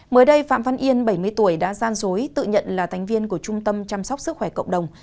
mới đây phạm văn yên bảy mươi tuổi đã gian dối tự nhận là thành viên của trung tâm chăm sóc sức khỏe cộng đồng